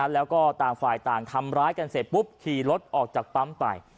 แล้วก็ต่างฝ่ายต่างทำร้ายกันเสร็จปุ๊บขี่รถออกจากปั๊มไป